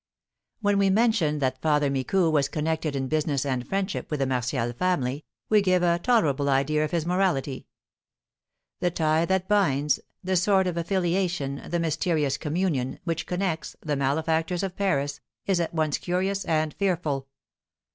When we mention that Father Micou was connected in business and friendship with the Martial family, we give a tolerable idea of his morality. The tie that binds the sort of affiliation, the mysterious communion, which connects the malefactors of Paris, is at once curious and fearful.